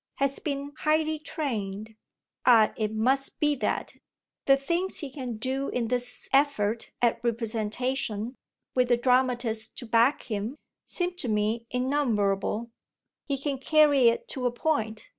has been highly trained. Ah it must be that! The things he can do in this effort at representation, with the dramatist to back him, seem to me innumerable he can carry it to a point!